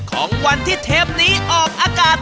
ของวันที่เทปนี้ออกอากาศ